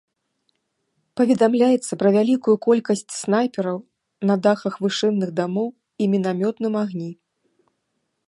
Паведамляецца пра вялікую колькасць снайпераў на дахах вышынных дамоў і мінамётным агні.